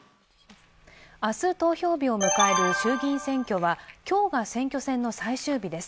明日投票日を迎える衆議院選挙は今日が選挙戦の最終日です。